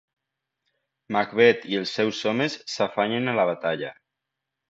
Macbeth i els seus homes s'afanyen a la batalla.